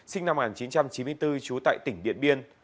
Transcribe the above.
sinh năm một nghìn chín trăm chín mươi bốn trú tại tỉnh điện biên